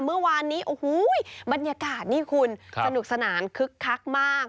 เมื่อวานนี้โอ้โหบรรยากาศนี่คุณสนุกสนานคึกคักมาก